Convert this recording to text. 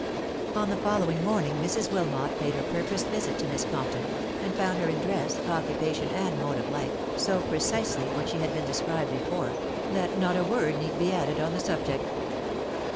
On the following morning Mrs. Wilmot paid her purposed visit to Miss Compton, and found her in dress, occupation, and mode of life, so precisely what she has been described before, that not a word need be added on the subject.